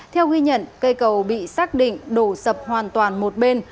theo ghi nhận cây cầu bị xác định đổ sập hoàn toàn một bên